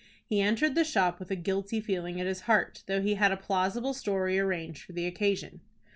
He entered the shop with a guilty feeling at his heart, though he had a plausible story arranged for the occasion.